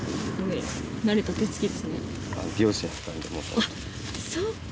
あっそっか